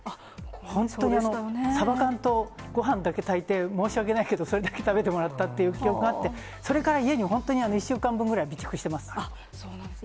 本当にサバ缶とごはんだけ炊いて、申し訳ないけどそれだけ食べてもらったっていう記憶があって、それから家に本当に、そうなんですね。